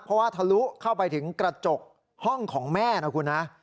เพราะว่าทะลุเข้าไปถึงกระจกห้องของแม่นะคุณนะ